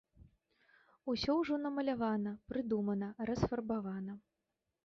Усё ўжо намалявана, прыдумана, расфарбавана.